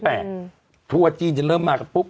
ทัวร์จีนจะเริ่มมากันปุ๊บ